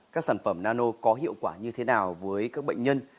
các sản phẩm nano có hiệu quả như thế nào với các bệnh nhân